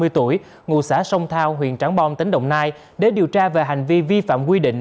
ba mươi tuổi ngụ xã sông thao huyện trắng bom tỉnh đồng nai để điều tra về hành vi vi phạm quy định